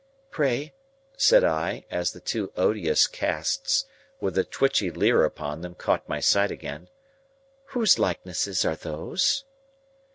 "Pray," said I, as the two odious casts with the twitchy leer upon them caught my sight again, "whose likenesses are those?"